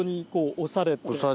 押されて。